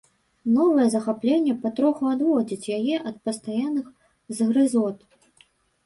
Новае захапленне патроху адводзіць яе ад пастаянных згрызот.